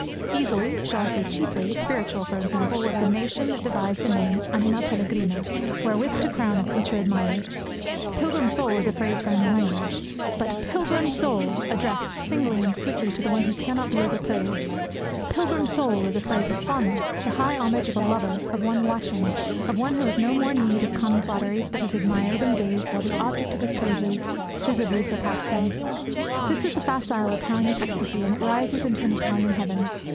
Easily shall I say cheaply? spiritual, for example, was the nation that devised the name anima pellegrina, wherewith to crown a creature admired. "Pilgrim soul" is a phrase for any language, but "pilgrim soul!" addressed, singly and sweetly to one who cannot be over praised, "pilgrim soul!" is a phrase of fondness, the high homage of a lover, of one watching, of one who has no more need of common flatteries, but has admired and gazed while the object of his praises visibly surpassed them this is the facile Italian ecstasy, and it rises into an Italian heaven.